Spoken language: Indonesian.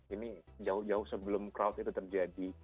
ini jauh jauh sebelum crowd itu terjadi